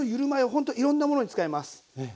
ほんといろんなものに使えます。